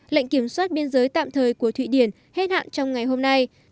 lệnh kiểm soát biên giới tạm thời của thụy điển hết hạn trong ngày hôm nay